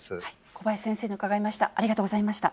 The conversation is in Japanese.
小林先生に伺いました。